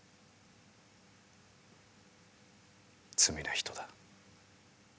罪な人だ。